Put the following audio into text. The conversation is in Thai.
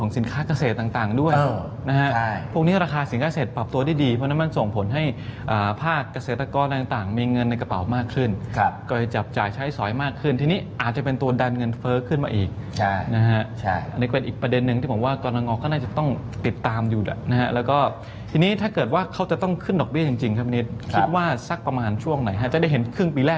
ส่งผลให้ภาคเกษตรกรต่างมีเงินในกระเป๋ามากขึ้นก็จะจับจ่ายใช้สอยมากขึ้นทีนี้อาจจะเป็นตัวดันเงินเฟ้อขึ้นมาอีกอันนี้เป็นอีกประเด็นหนึ่งที่ผมว่ากำลังงอก็น่าจะต้องติดตามอยู่แล้วก็ทีนี้ถ้าเกิดว่าเขาจะต้องขึ้นดอกเบี้ยจริงครับนี้คิดว่าสักประมาณช่วงไหนจะได้เห็นครึ่งปีแ